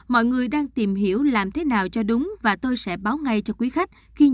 mọi người đang tìm hiểu làm thế nào cho đúng và tôi sẽ báo ngay cho quý khách khi nhận được thông tin